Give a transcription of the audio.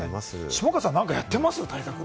下川さん、何かやってます？